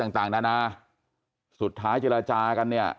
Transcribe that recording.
ต่างนะนาสุดท้ายจรรยาจากันเนี่ย